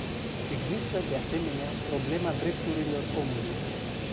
Există, de asemenea, problema drepturilor omului.